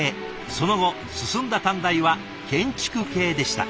その後進んだ短大は建築系でした。